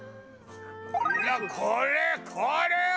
いやこれこれは！